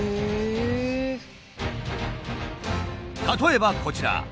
例えばこちら。